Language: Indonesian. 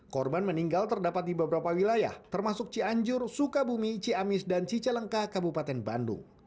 korban meninggal terdapat di beberapa wilayah termasuk cianjur sukabumi ciamis dan cicalengka kabupaten bandung